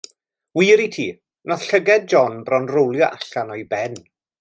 Wir i ti, wnaeth llygaid John bron rowlio allan o'i ben.